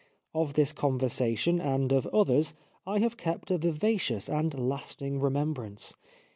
Of this conversation and of others I have kept a vivacious and lasting remembrance.